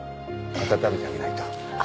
温めてあげないと。